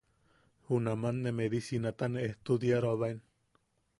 Junaman ne medicinata ne ejtudiaroabaen.